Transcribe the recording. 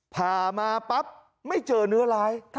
ผ่ามาปั๊บไม่เจอเนื้อร้าย